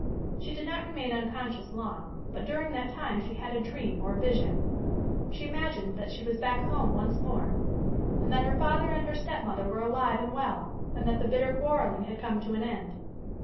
She did not remain unconscious long, but during that time she had a dream or vision. She imagined that she was back home once more, and that her father and her stepmother were alive and well, and that the bitter quarrelling had come to an end.